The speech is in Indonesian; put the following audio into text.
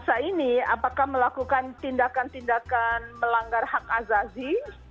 apakah melakukan tindakan tindakan melanggar hak azazi